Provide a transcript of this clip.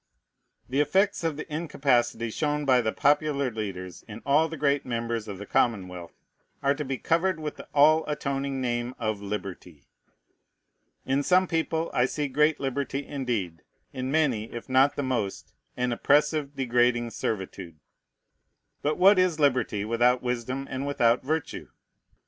The effects of the incapacity shown by the popular leaders in all the great members of the commonwealth are to be covered with the "all atoning name" of Liberty. In some people I see great liberty, indeed; in many, if not in the most, an oppressive, degrading servitude. But what is liberty without wisdom and without virtue?